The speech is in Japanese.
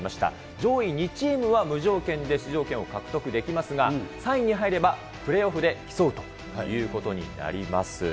上位２チームは無条件で出場権を獲得できますが、３位に入れば、プレーオフで競うということになります。